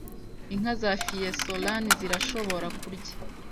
Inka za Fiesolan zirashobora kurya